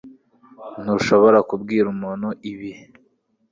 Ntushobora kubwira umuntu ibi